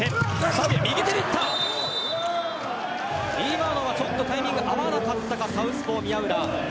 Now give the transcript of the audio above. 今のはタイミングが合わなかったかサウスポー・宮浦。